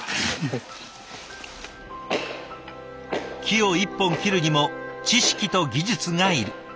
木を一本切るにも知識と技術がいる。